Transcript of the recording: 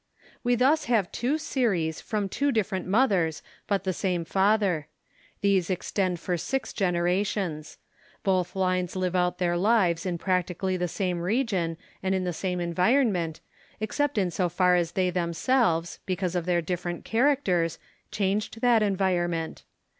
We thus have two series from two different mothers but the same father. These extend for six generations. Both lines live out their lives in practically the same region and in the same environment, except in so far as they themselves, because of their different characters, changed that environment.